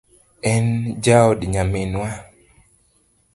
En jaod nyaminwa